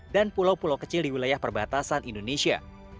dan pulau pulau kecil di wilayah perbatasan indonesia